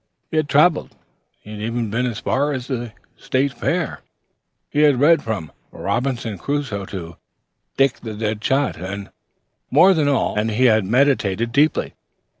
He had traveled had even been as far as the State Fair; he had read from Robinson Crusoe to Dick the Dead Shot, and, more than all, he had meditated deeply.